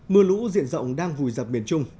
mưa lũ diện rộng đang vùi dập miền trung